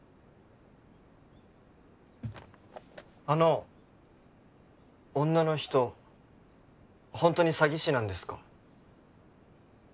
あの女の人ホントに詐欺師なんですか？